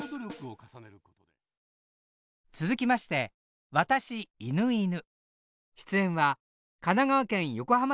続きまして「わたし、犬、いぬ」